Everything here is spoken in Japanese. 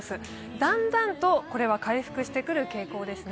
だんだんとこれは回復してくる傾向ですね。